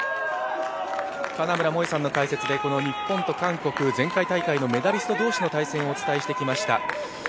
金村萌絵さんの解説で、日本と韓国、前回大会のメダリスト同士の対戦を終えしてまいりました。